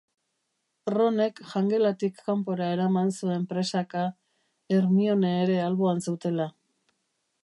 Ronek jangelatik kanpora eraman zuen presaka, Hermione ere alboan zutela.